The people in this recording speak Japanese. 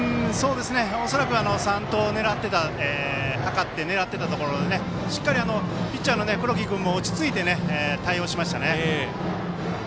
恐らく三盗図って狙ってたところでしっかりピッチャーの黒木君も落ち着いて、対応しましたね。